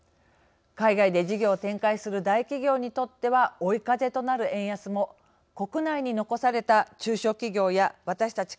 海外で事業を展開する大企業にとっては追い風となる円安も国内に残された中小企業や私たち